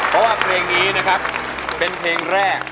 เพราะว่าเพลงนี้นะครับเป็นเพลงแรก